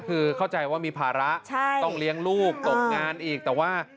คือเข้าใจว่ามีภาระต้องเลี้ยงลูกตกงานอีกแต่ว่า